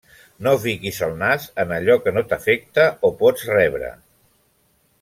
No fiquis el nas en allò que no t'afecta o pots rebre!